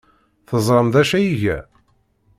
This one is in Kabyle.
Teẓram d acu ay iga?